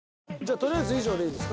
とりあえず以上でいいですか？